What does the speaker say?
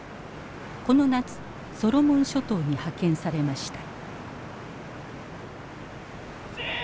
この夏ソロモン諸島に派遣されました。